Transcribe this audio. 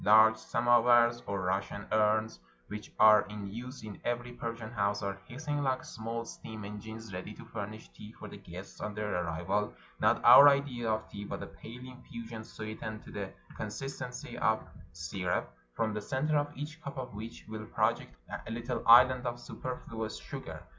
Large samovars, or Russian urns, which are in use in every Persian house, are hissing Hke small steam engines, ready to furnish tea for the guests on their arrival: not our idea of tea, but a pale infusion sweetened to the con sistency of syrup, from the center of each cup of which will project a little island of superfluous sugar.